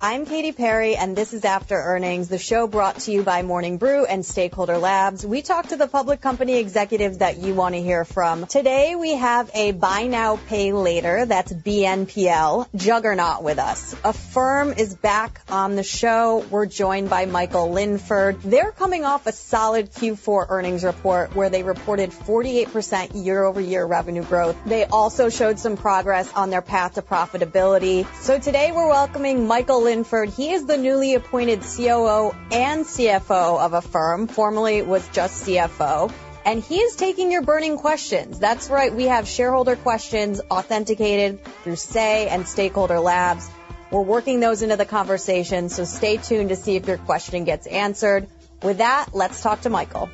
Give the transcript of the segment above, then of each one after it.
I'm Katie Perry, and this is After Earnings, the show brought to you by Morning Brew and Stakeholder Labs. We talk to the public company executives that you want to hear from. Today, we have a Buy Now, Pay Later, that's BNPL, juggernaut with us. Affirm is back on the show. We're joined by Michael Linford. They're coming off a solid Q4 earnings report, where they reported 48% year-over-year revenue growth. They also showed some progress on their path to profitability. So today, we're welcoming Michael Linford. He is the newly appointed COO and CFO of Affirm, formerly was just CFO, and he is taking your burning questions. That's right, we have shareholder questions authenticated through Say and Stakeholder Labs. We're working those into the conversation, so stay tuned to see if your question gets answered. With that, let's talk to Michael.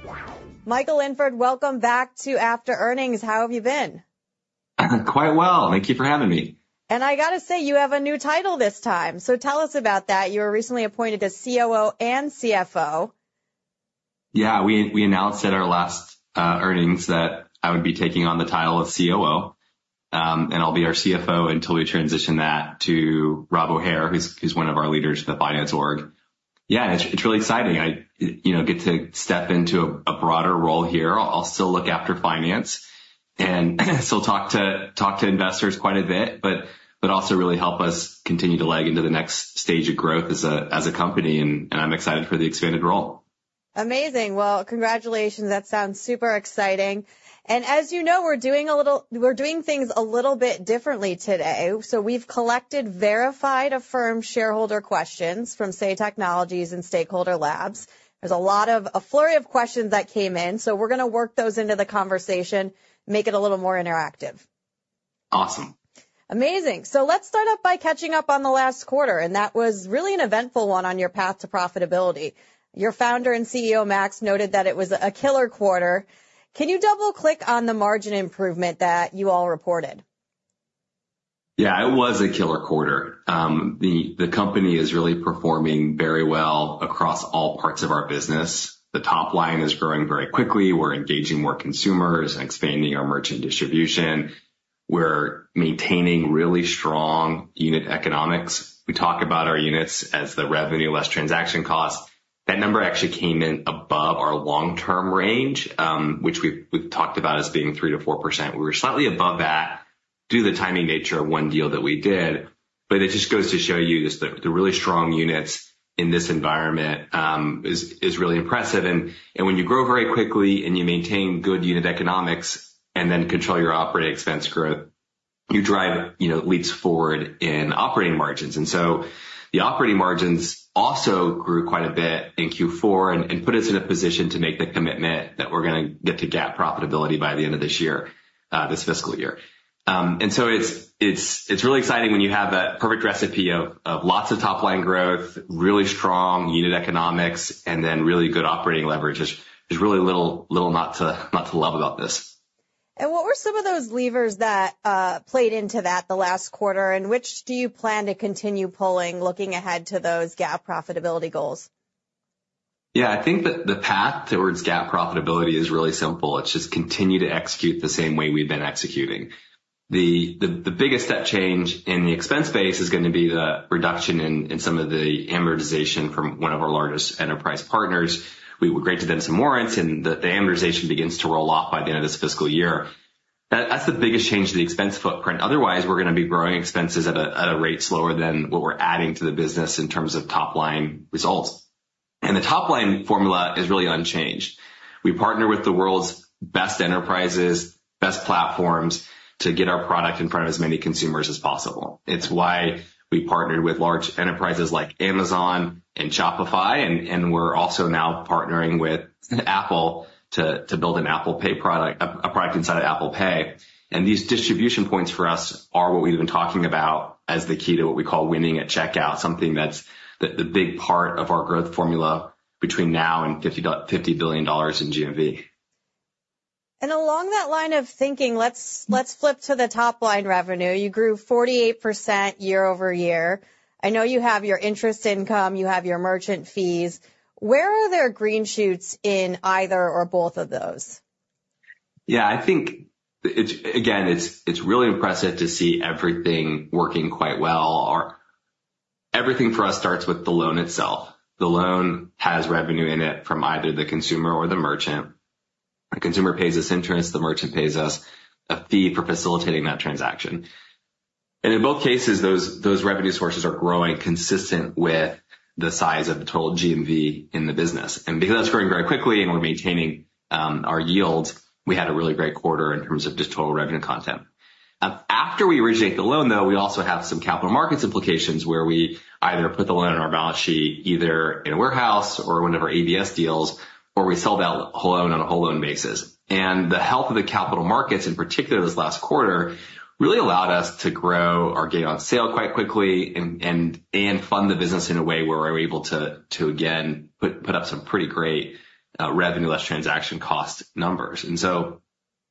Michael Linford, welcome back to After Earnings. How have you been? Quite well. Thank you for having me. I got to say, you have a new title this time, so tell us about that. You were recently appointed as COO and CFO. Yeah, we announced at our last earnings that I would be taking on the title of COO, and I'll be our CFO until we transition that to Rob O'Hare, who's one of our leaders in the finance org. Yeah, it's really exciting. I you know get to step into a broader role here. I'll still look after finance and still talk to investors quite a bit, but also really help us continue to leg into the next stage of growth as a company, and I'm excited for the expanded role. Amazing. Well, congratulations. That sounds super exciting. And as you know, we're doing things a little bit differently today. So we've collected verified Affirm shareholder questions from Say Technologies and Stakeholder Labs. There's a lot of, a flurry of questions that came in, so we're going to work those into the conversation, make it a little more interactive. Awesome. Amazing. So let's start up by catching up on the last quarter, and that was really an eventful one on your path to profitability. Your founder and CEO, Max, noted that it was a killer quarter. Can you double-click on the margin improvement that you all reported? Yeah, it was a killer quarter. The company is really performing very well across all parts of our business. The top line is growing very quickly. We're engaging more consumers and expanding our merchant distribution. We're maintaining really strong unit economics. We talk about our units as the revenue less transaction costs. That number actually came in above our long-term range, which we've talked about as being 3%-4%. We were slightly above that due to the timing nature of one deal that we did, but it just goes to show you the really strong units in this environment is really impressive. And when you grow very quickly and you maintain good unit economics and then control your operating expense growth, you drive, you know, leads forward in operating margins. So the operating margins also grew quite a bit in Q4 and put us in a position to make the commitment that we're gonna get to GAAP profitability by the end of this year, this fiscal year. So it's really exciting when you have that perfect recipe of lots of top-line growth, really strong unit economics, and then really good operating leverage. There's really little not to love about this. And what were some of those levers that played into that the last quarter, and which do you plan to continue pulling, looking ahead to those GAAP profitability goals? Yeah, I think the path towards GAAP profitability is really simple. It's just continue to execute the same way we've been executing. The biggest step change in the expense base is gonna be the reduction in some of the amortization from one of our largest enterprise partners. We granted them some warrants, and the amortization begins to roll off by the end of this fiscal year. That's the biggest change to the expense footprint. Otherwise, we're gonna be growing expenses at a rate slower than what we're adding to the business in terms of top-line results. The top-line formula is really unchanged. We partner with the world's best enterprises, best platforms, to get our product in front of as many consumers as possible. It's why we partnered with large enterprises like Amazon and Shopify, and we're also now partnering with Apple to build an Apple Pay product, a product inside of Apple Pay. And these distribution points for us are what we've been talking about as the key to what we call winning at checkout, something that's the big part of our growth formula between now and $50 billion in GMV. Along that line of thinking, let's, let's flip to the top-line revenue. You grew 48% year over year. I know you have your interest income, you have your merchant fees. Where are there green shoots in either or both of those? Yeah, I think it's again really impressive to see everything working quite well. Everything for us starts with the loan itself. The loan has revenue in it from either the consumer or the merchant. The consumer pays us interest, the merchant pays us a fee for facilitating that transaction. And in both cases, those revenue sources are growing consistent with the size of the total GMV in the business. And because that's growing very quickly and we're maintaining our yields, we had a really great quarter in terms of just total revenue content. After we originate the loan, though, we also have some capital markets implications, where we either put the loan on our balance sheet, either in a warehouse or one of our ABS deals, or we sell that whole loan on a whole loan basis. And the health of the capital markets, in particular this last quarter, really allowed us to grow our gain on sale quite quickly and fund the business in a way where we're able to, again, put up some pretty great revenue less transaction costs numbers. And so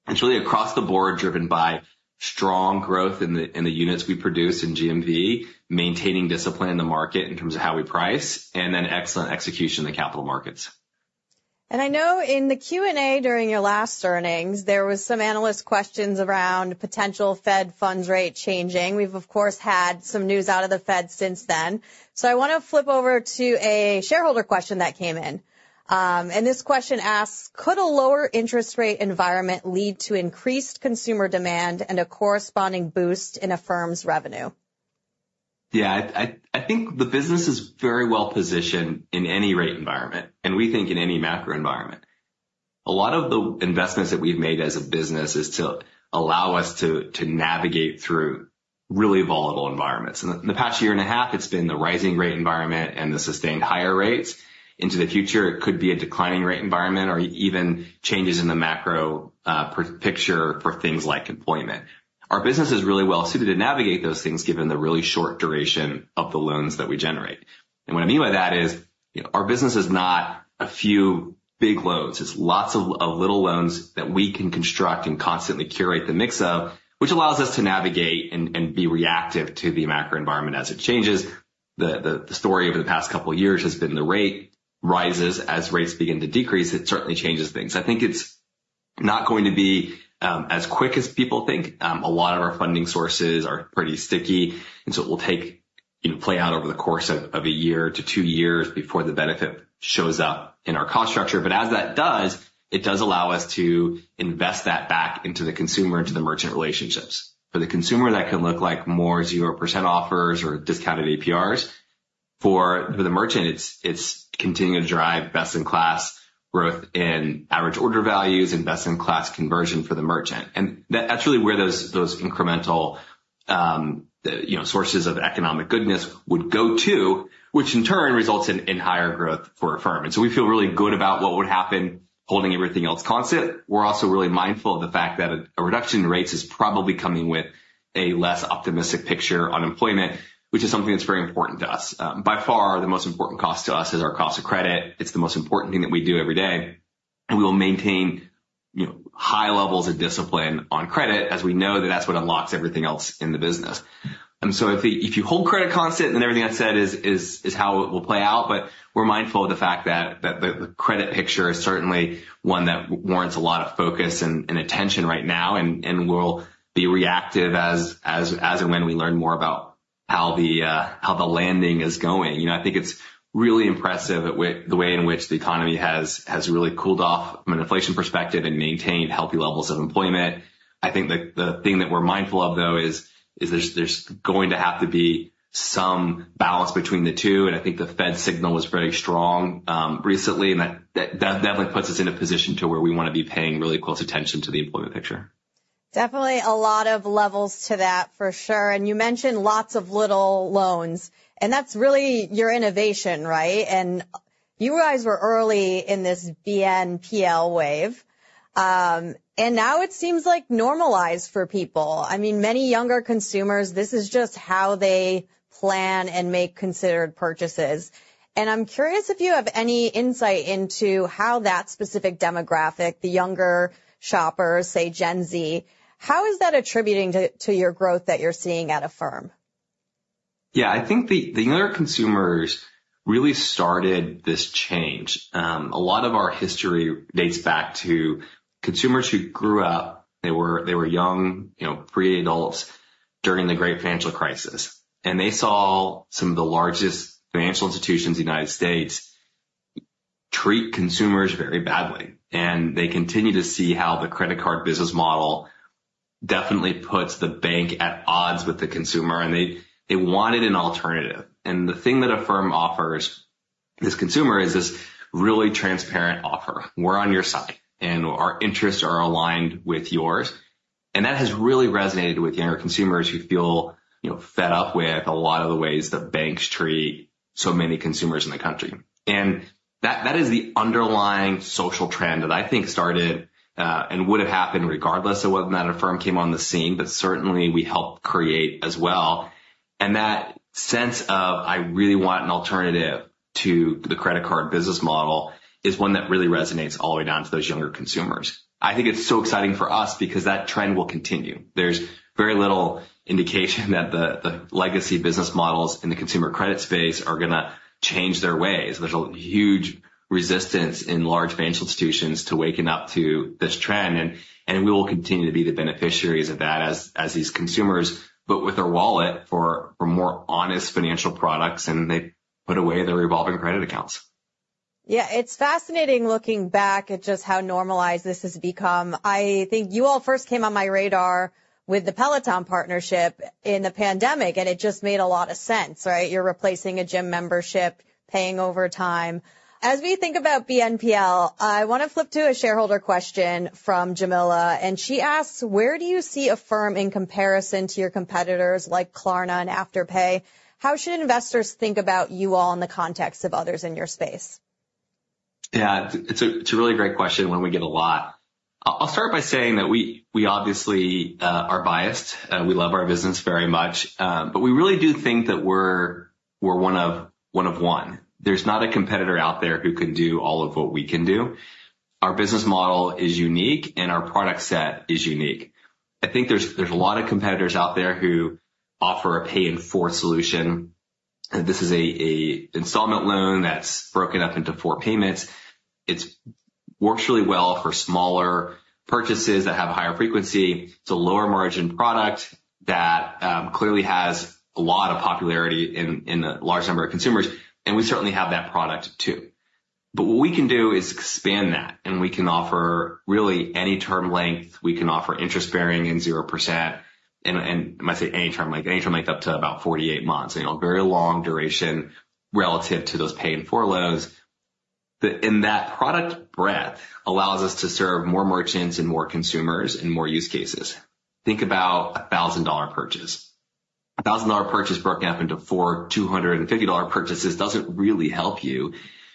it's really across the board, driven by strong growth in the units we produce in GMV, maintaining discipline in the market in terms of how we price, and then excellent execution in the capital markets. And I know in the Q&A during your last earnings, there was some analyst questions around potential Fed funds rate changing. We've, of course, had some news out of the Fed since then. So I want to flip over to a shareholder question that came in, and this question asks: Could a lower interest rate environment lead to increased consumer demand and a corresponding boost in Affirm's revenue? Yeah, I think the business is very well positioned in any rate environment, and we think in any macro environment. A lot of the investments that we've made as a business is to allow us to navigate through really volatile environments. In the past year and a half, it's been the rising rate environment and the sustained higher rates. Into the future, it could be a declining rate environment or even changes in the macro picture for things like employment. Our business is really well suited to navigate those things, given the really short duration of the loans that we generate. And what I mean by that is, our business is not a few big loans. It's lots of little loans that we can construct and constantly curate the mix of, which allows us to navigate and be reactive to the macro environment as it changes. The story over the past couple of years has been the rate rises. As rates begin to decrease, it certainly changes things. I think it's not going to be as quick as people think. A lot of our funding sources are pretty sticky, and so it will take, you know, play out over the course of a year to two years before the benefit shows up in our cost structure. But as that does, it does allow us to invest that back into the consumer, into the merchant relationships. For the consumer, that can look like more 0% offers or discounted APRs. For the merchant, it's continuing to drive best-in-class growth in average order values and best-in-class conversion for the merchant. And that's really where those incremental, you know, sources of economic goodness would go to, which in turn, results in higher growth for Affirm. And so we feel really good about what would happen, holding everything else constant. We're also really mindful of the fact that a reduction in rates is probably coming with a less optimistic picture on employment, which is something that's very important to us. By far, the most important cost to us is our cost of credit. It's the most important thing that we do every day, and we will maintain, you know, high levels of discipline on credit, as we know that that's what unlocks everything else in the business. And so if you hold credit constant, then everything I've said is how it will play out. But we're mindful of the fact that the credit picture is certainly one that warrants a lot of focus and attention right now, and we'll be reactive as and when we learn more about how the landing is going. You know, I think it's really impressive the way in which the economy has really cooled off from an inflation perspective and maintained healthy levels of employment. I think the thing that we're mindful of, though, is there's going to have to be some balance between the two, and I think the Fed signal was very strong recently, and that definitely puts us in a position to where we want to be paying really close attention to the employment picture. Definitely a lot of levels to that, for sure. And you mentioned lots of little loans, and that's really your innovation, right? And you guys were early in this BNPL wave. And now it seems like normalized for people. I mean, many younger consumers, this is just how they plan and make considered purchases. And I'm curious if you have any insight into how that specific demographic, the younger shoppers, say Gen Z, how is that attributing to your growth that you're seeing at Affirm? Yeah, I think the younger consumers really started this change. A lot of our history dates back to consumers who grew up, they were young, you know, pre-adults during the great financial crisis, and they saw some of the largest financial institutions in the United States treat consumers very badly, and they continued to see how the credit card business model definitely puts the bank at odds with the consumer, and they wanted an alternative. And the thing that Affirm offers this consumer is this really transparent offer. We're on your side, and our interests are aligned with yours, and that has really resonated with younger consumers who feel, you know, fed up with a lot of the ways that banks treat so many consumers in the country. That is the underlying social trend that I think started and would have happened regardless of whether or not Affirm came on the scene, but certainly, we helped create as well. That sense of, I really want an alternative to the credit card business model, is one that really resonates all the way down to those younger consumers. I think it's so exciting for us because that trend will continue. There's very little indication that the legacy business models in the consumer credit space are gonna change their ways. There's a huge resistance in large financial institutions to waking up to this trend, and we will continue to be the beneficiaries of that as these consumers vote with their wallet for more honest financial products, and they put away their revolving credit accounts. Yeah, it's fascinating looking back at just how normalized this has become. I think you all first came on my radar with the Peloton partnership in the pandemic, and it just made a lot of sense, right? You're replacing a gym membership, paying over time. As we think about BNPL, I want to flip to a shareholder question from Jamila, and she asks: Where do you see Affirm in comparison to your competitors like Klarna and Afterpay? How should investors think about you all in the context of others in your space? Yeah. It's a really great question, one we get a lot. I'll start by saying that we obviously are biased. We love our business very much, but we really do think that we're one of one. There's not a competitor out there who can do all of what we can do. Our business model is unique, and our product set is unique. I think there's a lot of competitors out there who offer a Pay in 4 solution. This is an installment loan that's broken up into four payments. It works really well for smaller purchases that have a higher frequency. It's a lower-margin product that clearly has a lot of popularity in a large number of consumers, and we certainly have that product too. But what we can do is expand that, and we can offer really any term length. We can offer interest-bearing and 0%, and I might say any term length, any term length up to about 48 months, you know, very long duration relative to those Pay in 4 loans. In that product breadth allows us to serve more merchants and more consumers in more use cases. Think about a $1,000 purchase. A $1,000 purchase broken up into four, $250 purchases doesn't really help you.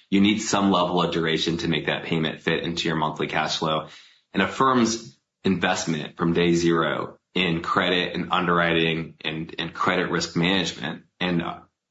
You need some level of duration to make that payment fit into your monthly cash flow. And Affirm's investment from day zero in credit, and underwriting, and credit risk management, and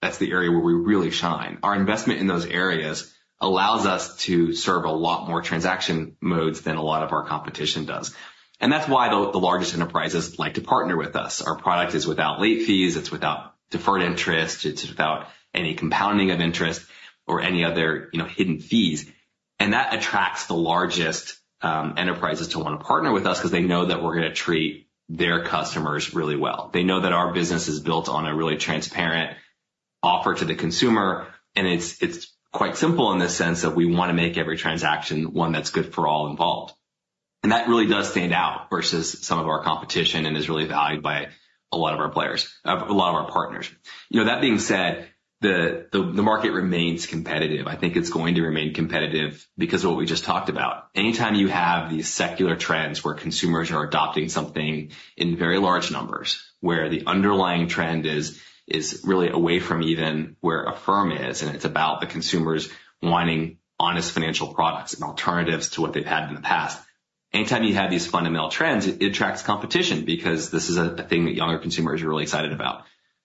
that's the area where we really shine. Our investment in those areas allows us to serve a lot more transaction modes than a lot of our competition does. That's why the largest enterprises like to partner with us. Our product is without late fees, it's without deferred interest, it's without any compounding of interest or any other, you know, hidden fees. That attracts the largest enterprises to want to partner with us because they know that we're going to treat their customers really well. They know that our business is built on a really transparent offer to the consumer, and it's quite simple in the sense that we want to make every transaction one that's good for all involved. That really does stand out versus some of our competition and is really valued by a lot of our players, a lot of our partners. You know, that being said, the market remains competitive. I think it's going to remain competitive because of what we just talked about. Anytime you have these secular trends where consumers are adopting something in very large numbers, where the underlying trend is really away from even where Affirm is, and it's about the consumers wanting honest financial products and alternatives to what they've had in the past. Anytime you have these fundamental trends, it attracts competition because this is a thing that younger consumers are really excited about.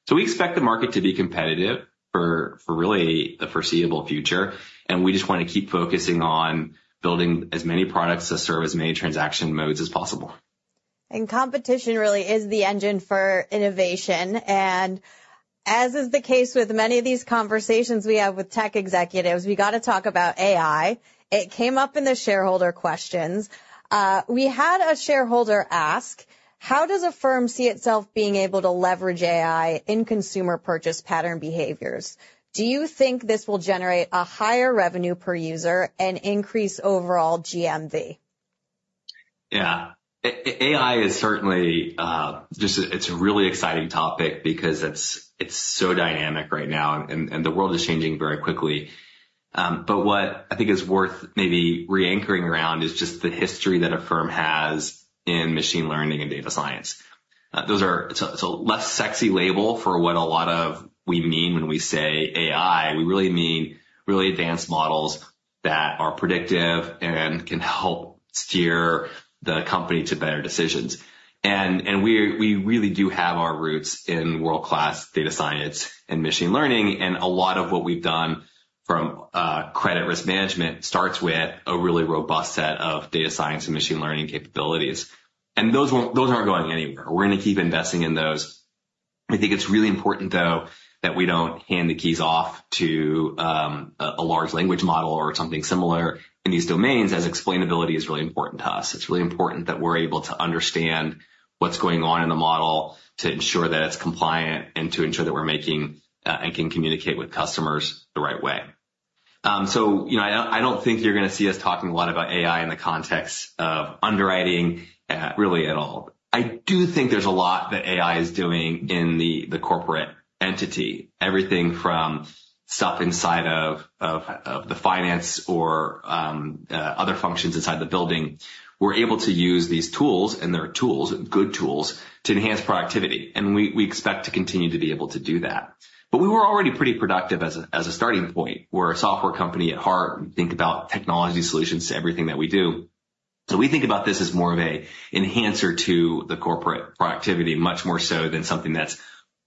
So we expect the market to be competitive for really the foreseeable future, and we just want to keep focusing on building as many products to serve as many transaction modes as possible. Competition really is the engine for innovation, and as is the case with many of these conversations we have with tech executives, we got to talk about AI. It came up in the shareholder questions. We had a shareholder ask, "How does Affirm see itself being able to leverage AI in consumer purchase pattern behaviors? Do you think this will generate a higher revenue per user and increase overall GMV? Yeah. AI is certainly just, it's a really exciting topic because it's so dynamic right now, and the world is changing very quickly. But what I think is worth maybe re-anchoring around is just the history that Affirm has in machine learning and data science. Those are. It's a less sexy label for what a lot of what we mean when we say AI. We really mean really advanced models that are predictive and can help steer the company to better decisions. And we really do have our roots in world-class data science and machine learning, and a lot of what we've done from credit risk management starts with a really robust set of data science and machine learning capabilities. And those aren't going anywhere. We're going to keep investing in those. I think it's really important, though, that we don't hand the keys off to a large language model or something similar in these domains, as explainability is really important to us. It's really important that we're able to understand what's going on in the model to ensure that it's compliant and to ensure that we're making and can communicate with customers the right way. So, you know, I don't think you're going to see us talking a lot about AI in the context of underwriting really at all. I do think there's a lot that AI is doing in the corporate entity. Everything from stuff inside of the finance or other functions inside the building. We're able to use these tools, and they're tools, good tools, to enhance productivity, and we, we expect to continue to be able to do that. But we were already pretty productive as a, as a starting point. We're a software company at heart. We think about technology solutions to everything that we do. So we think about this as more of a enhancer to the corporate productivity, much more so than something that's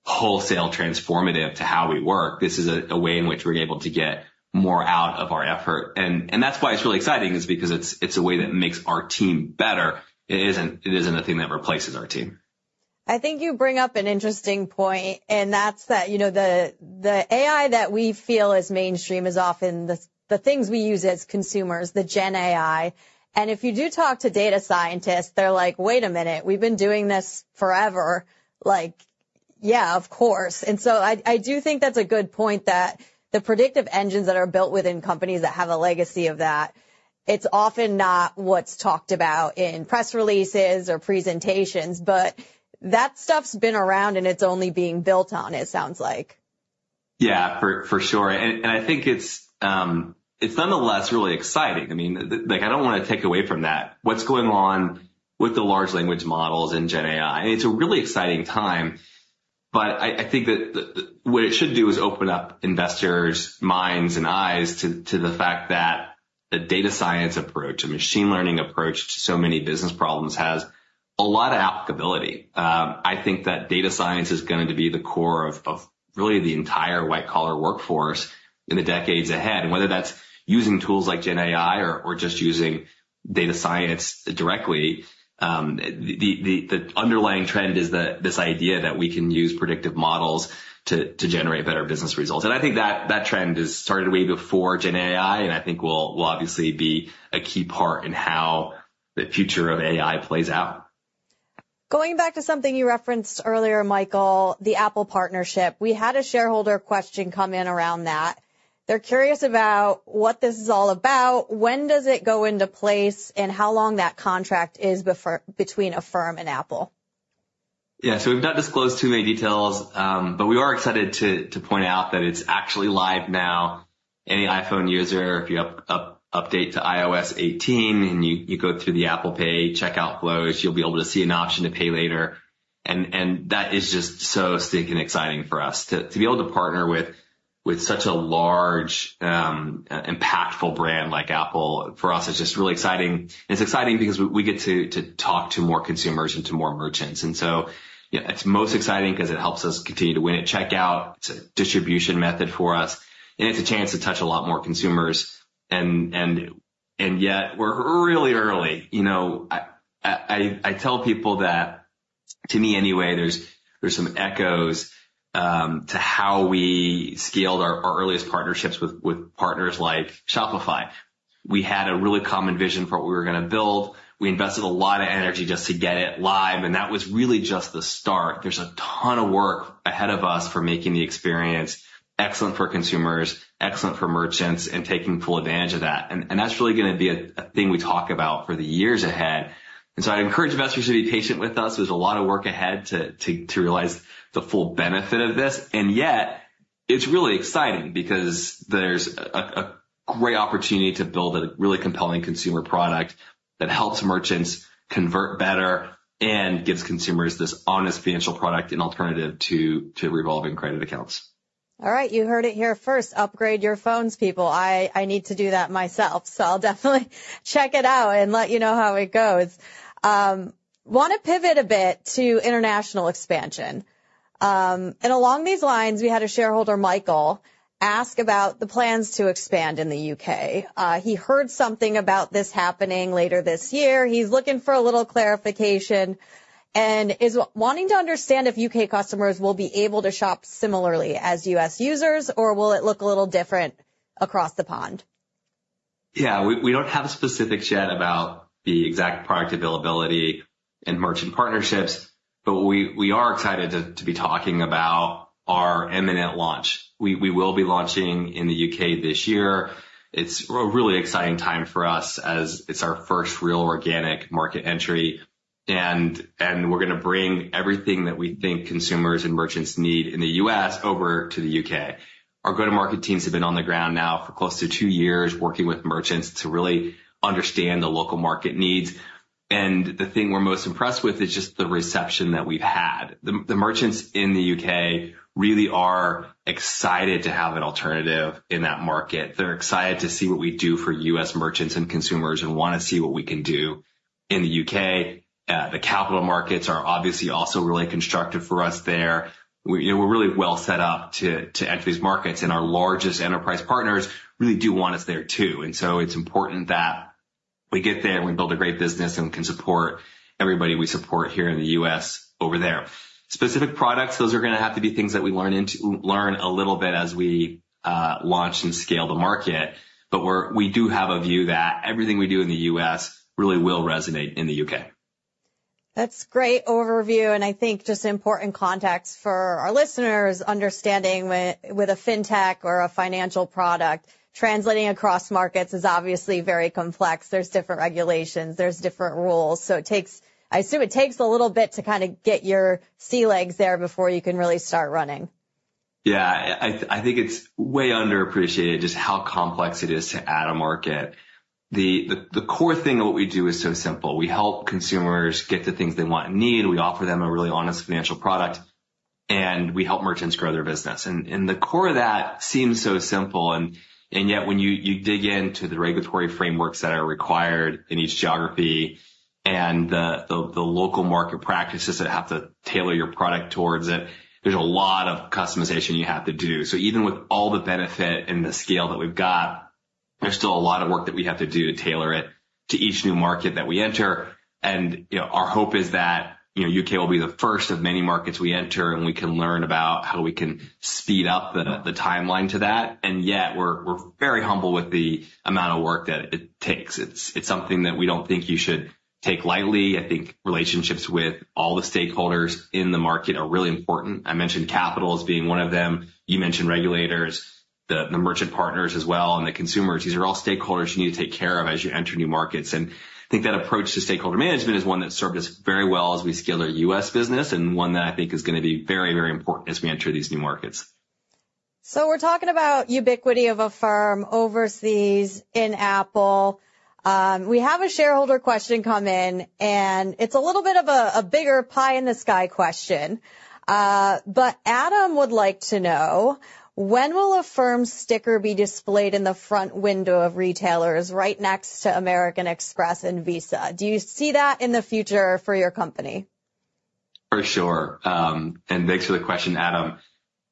wholesale transformative to how we work. This is a, a way in which we're able to get more out of our effort, and, and that's why it's really exciting, is because it's, it's a way that makes our team better. It isn't, it isn't a thing that replaces our team. I think you bring up an interesting point, and that's that, you know, the, the AI that we feel is mainstream is often the, the things we use as consumers, the GenAI. And if you do talk to data scientists, they're like, "Wait a minute, we've been doing this forever." Like, yeah, of course. And so I, I do think that's a good point, that the predictive engines that are built within companies that have a legacy of that, it's often not what's talked about in press releases or presentations, but that stuff's been around, and it's only being built on, it sounds like. Yeah, for sure, and I think it's nonetheless really exciting. I mean, like, I don't want to take away from that. What's going on with the large language models in GenAI, it's a really exciting time, but I think that what it should do is open up investors' minds and eyes to the fact that a data science approach, a machine learning approach to so many business problems has a lot of applicability. I think that data science is going to be the core of really the entire white-collar workforce in the decades ahead, and whether that's using tools like GenAI or just using data science directly, the underlying trend is this idea that we can use predictive models to generate better business results. And I think that trend has started way before GenAI, and I think will obviously be a key part in how the future of AI plays out. Going back to something you referenced earlier, Michael, the Apple partnership. We had a shareholder question come in around that. They're curious about what this is all about, when does it go into place, and how long that contract is between Affirm and Apple? Yeah. So we've not disclosed too many details, but we are excited to point out that it's actually live now. Any iPhone user, if you update to iOS 18 and you go through the Apple Pay checkout flows, you'll be able to see an option to pay later, and that is just so stinking exciting for us. To be able to partner with such a large, impactful brand like Apple, for us, it's just really exciting, and it's exciting because we get to talk to more consumers and to more merchants, and so yeah, it's most exciting 'cause it helps us continue to win at checkout, it's a distribution method for us, and it's a chance to touch a lot more consumers, and yet we're really early. You know, I tell people that, to me anyway, there's some echoes to how we scaled our earliest partnerships with partners like Shopify. We had a really common vision for what we were gonna build, we invested a lot of energy just to get it live, and that was really just the start. There's a ton of work ahead of us for making the experience excellent for consumers, excellent for merchants, and taking full advantage of that, and that's really gonna be a thing we talk about for the years ahead, and so I encourage investors to be patient with us. There's a lot of work ahead to realize the full benefit of this. And yet, it's really exciting because there's a great opportunity to build a really compelling consumer product that helps merchants convert better and gives consumers this honest financial product, an alternative to revolving credit accounts. All right, you heard it here first. Upgrade your phones, people. I need to do that myself, so I'll definitely check it out and let you know how it goes. Wanna pivot a bit to international expansion, and along these lines, we had a shareholder, Michael, ask about the plans to expand in the U.K. He heard something about this happening later this year. He's looking for a little clarification, and is wanting to understand if U.K. customers will be able to shop similarly as U.S. users, or will it look a little different across the pond? Yeah. We don't have specifics yet about the exact product availability and merchant partnerships, but we are excited to be talking about our imminent launch. We will be launching in the U.K. this year. It's a really exciting time for us as it's our first real organic market entry, and we're gonna bring everything that we think consumers and merchants need in the U.S. over to the U.K. Our go-to-market teams have been on the ground now for close to two years, working with merchants to really understand the local market needs, and the thing we're most impressed with is just the reception that we've had. The merchants in the U.K. really are excited to have an alternative in that market. They're excited to see what we do for U.S. merchants and consumers and wanna see what we can do in the U.K. The capital markets are obviously also really constructive for us there. We, you know, we're really well set up to enter these markets, and our largest enterprise partners really do want us there, too. And so it's important that we get there, and we build a great business and can support everybody we support here in the U.S. over there. Specific products, those are gonna have to be things that we learn a little bit as we launch and scale the market, but we do have a view that everything we do in the U.S. really will resonate in the U.K. That's great overview, and I think just important context for our listeners, understanding with a fintech or a financial product, translating across markets is obviously very complex. There's different regulations, there's different rules, so it takes... I assume a little bit to kinda get your sea legs there before you can really start running. Yeah. I think it's way underappreciated just how complex it is to add a market. The core thing of what we do is so simple. We help consumers get the things they want and need, we offer them a really honest financial product, and we help merchants grow their business. And the core of that seems so simple, and yet, when you dig into the regulatory frameworks that are required in each geography and the local market practices that have to tailor your product towards it, there's a lot of customization you have to do. So even with all the benefit and the scale that we've got, there's still a lot of work that we have to do to tailor it to each new market that we enter. You know, our hope is that, you know, U.K. will be the first of many markets we enter, and we can learn about how we can speed up the timeline to that, and yet, we're very humble with the amount of work that it takes. It's something that we don't think you should take lightly. I think relationships with all the stakeholders in the market are really important. I mentioned capital as being one of them. You mentioned regulators, the merchant partners as well, and the consumers. These are all stakeholders you need to take care of as you enter new markets, and I think that approach to stakeholder management is one that's served us very well as we scale our U.S. business, and one that I think is gonna be very, very important as we enter these new markets. We're talking about ubiquity of Affirm overseas in Apple. We have a shareholder question come in, and it's a little bit of a bigger pie-in-the-sky question, but Adam would like to know: When will Affirm's sticker be displayed in the front window of retailers right next to American Express and Visa? Do you see that in the future for your company? For sure. And thanks for the question, Adam.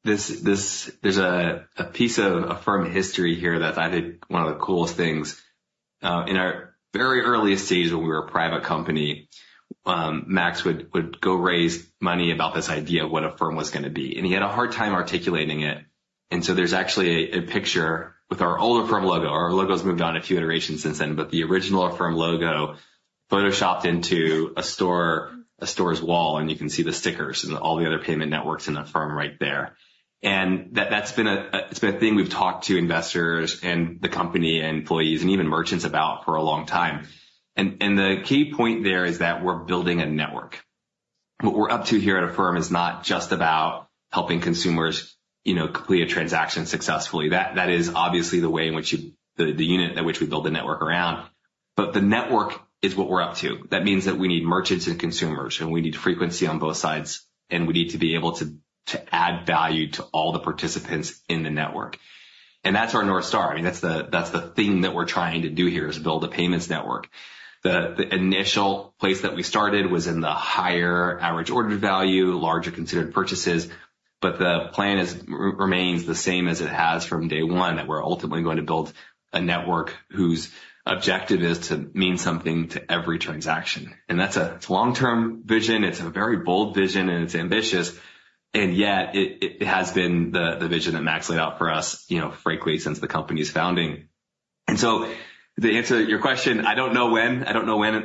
This, there's a piece of Affirm history here that I think one of the coolest things. In our very earliest days, when we were a private company, Max would go raise money about this idea of what Affirm was gonna be, and he had a hard time articulating it. And so there's actually a picture with our older firm logo. Our logo's moved on a few iterations since then, but the original Affirm logo photoshopped into a store, a store's wall, and you can see the stickers and all the other payment networks in Affirm right there. And that's been a thing we've talked to investors and the company and employees and even merchants about for a long time. And the key point there is that we're building a network. What we're up to here at Affirm is not just about helping consumers, you know, complete a transaction successfully. That is obviously the way in which you, the unit in which we build the network around, but the network is what we're up to. That means that we need merchants and consumers, and we need frequency on both sides, and we need to be able to add value to all the participants in the network. And that's our North Star. I mean, that's the thing that we're trying to do here, is build a payments network. The initial place that we started was in the higher average order value, larger considered purchases, but the plan is... remains the same as it has from day one, that we're ultimately going to build a network whose objective is to mean something to every transaction. And that's a long-term vision, it's a very bold vision, and it's ambitious, and yet it has been the vision that Max laid out for us, you know, frankly, since the company's founding. And so to answer your question, I don't know when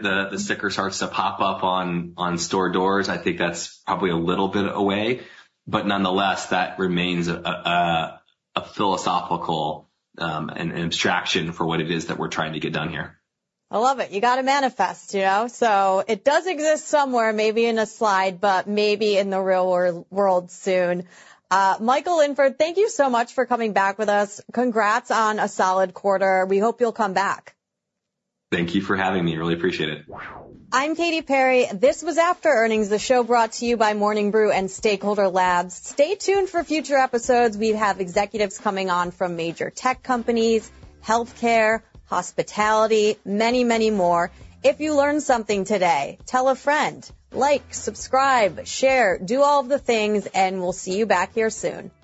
the sticker starts to pop up on store doors. I think that's probably a little bit away, but nonetheless, that remains a philosophical and an abstraction for what it is that we're trying to get done here. I love it. You got to manifest, you know? So it does exist somewhere, maybe in a slide, but maybe in the real world soon. Michael Linford, thank you so much for coming back with us. Congrats on a solid quarter. We hope you'll come back. Thank you for having me. I really appreciate it. I'm Katie Perry. This was After Earnings, the show brought to you by Morning Brew and Stakeholder Labs. Stay tuned for future episodes. We have executives coming on from major tech companies, healthcare, hospitality, many, many more. If you learned something today, tell a friend, like, subscribe, share, do all of the things, and we'll see you back here soon.